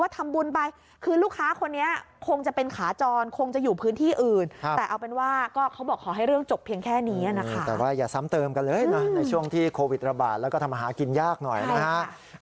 สำเติมกันเลยนะในช่วงที่โควิดระบาดแล้วก็ทำอาหารกินยากหน่อยนะฮะ